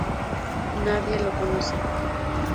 Nadie lo conoce.